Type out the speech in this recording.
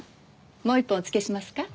もう１本おつけしますか？